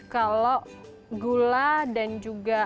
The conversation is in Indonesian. kalau gula dan juga